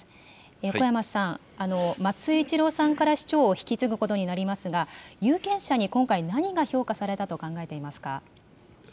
横山さん、松井一郎さんから市長を引き継ぐことになりますが、有権者に今回、何が評価されたと考えていますか？